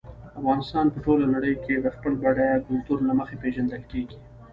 افغانستان په ټوله نړۍ کې د خپل بډایه کلتور له مخې پېژندل کېږي.